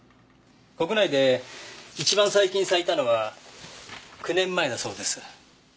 国内で一番最近咲いたのは９年前だそうです。